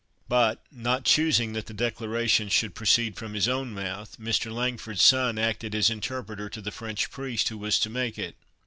But, not choosing that the declaration should proceed from his own mouth, Mr. Langford's son acted as interpreter to the French priest, who was to make it.